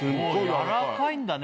やらかいんだね